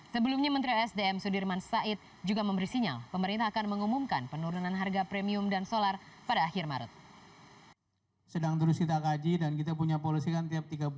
sebelumnya menteri sdm sudirman said juga memberi sinyal pemerintah akan mengumumkan penurunan harga premium dan solar pada akhir maret